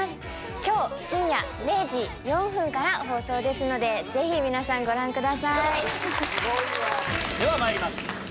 今日深夜０時４分から放送ですのでぜひ皆さんご覧ください。ではまいります